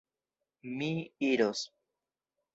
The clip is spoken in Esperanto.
Mi iros.